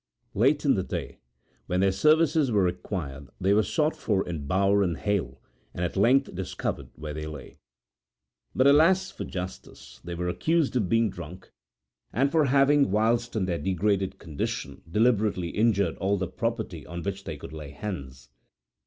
Late in the day when their services were required they were sought for in bower and hail, and at length discovered where they lay. But alas for justice! They were accused of being drunk and for having, whilst in that degraded condition, deliberately injured all the property on which they could lay hands.